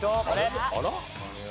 あら？